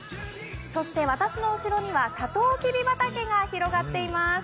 そして、私の後ろにはサトウキビ畑が広がっています。